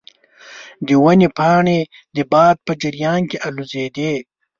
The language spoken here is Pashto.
د ونې پاڼې د باد په جریان کې الوزیدې.